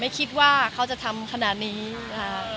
ไม่คิดว่าเขาจะทำขนาดนี้ค่ะ